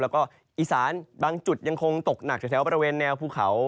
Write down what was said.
แล้วก็อีสานบางจุดยังคงตกหนักจากแถวบริเวณแนวภูเขา